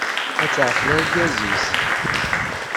Ad taɛqel argaz-is.